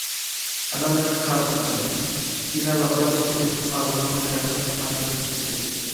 ئەمما مەن كاپىتان، كېمە ۋە بارلىق كېمىدىكى خادىملارنىڭ ھاياتىغا كاپالەتلىك قىلىشىم كېرەك.